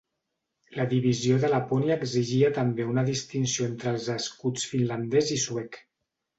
La divisió de Lapònia exigia també una distinció entre els escuts finlandès i suec.